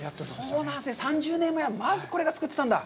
３０年前にまずこれを作ってたんだ。